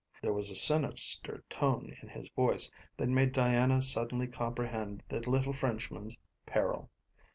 There was a sinister tone in his voice that made Diana suddenly comprehend the little Frenchman's peril.